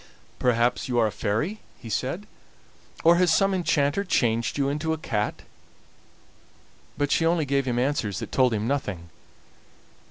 "Perhaps you are a fairy," he said. "Or has some enchanter changed you into a cat?" But she only gave him answers that told him nothing.